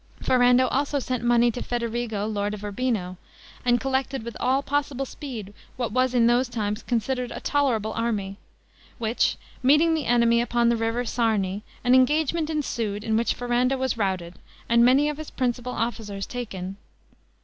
Ferrando also sent money to Federigo, lord of Urbino, and collected with all possible speed what was in those times considered a tolerable army; which, meeting the enemy upon the river Sarni, an engagement ensued in which Ferrando was routed, and many of his principal officers taken.